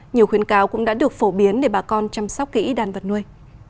nhiều khuyến cáo cũng đã được phổ biến để bà con chăm sóc kỹ đàn vật nuôi